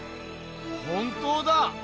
本当だ！